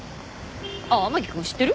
天樹くん知ってる？